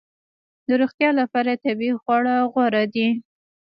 د روغتیا لپاره طبیعي خواړه غوره دي